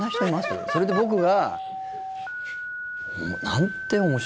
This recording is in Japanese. それで僕が。